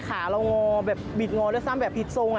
ขาเรางอแบบบิดงอด้วยซ้ำแบบผิดทรง